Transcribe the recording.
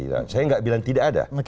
saya tidak bilang tidak ada